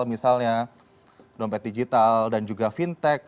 misalnya dompet digital dan juga fintech